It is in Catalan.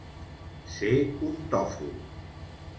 Ser un tòfol.